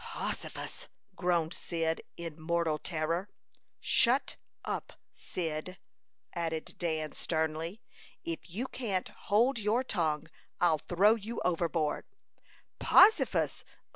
"Hossifus!" groaned Cyd, in mortal terror. "Shut up, Cyd," added Dan, sternly. "If you can't hold your tongue, I'll throw you overboard!" "Possifus! Ugh!